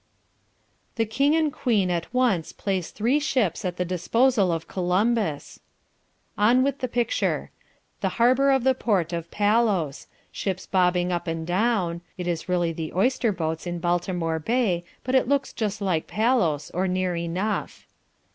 "The King and Queen at once place three ships at the disposal of Columbus." On with the picture. The harbour of the port of Palos ships bobbing up and down (it is really the oyster boats in Baltimore Bay but it looks just like Palos, or near enough).